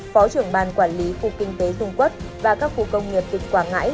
phó trưởng ban quản lý khu kinh tế dung quốc và các khu công nghiệp tỉnh quảng ngãi